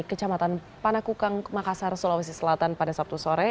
kecamatan panakukang makassar sulawesi selatan pada sabtu sore